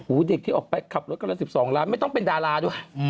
เด็กที่ออกไปขับรถคนละ๑๒ล้านไม่ต้องเป็นดาราด้วย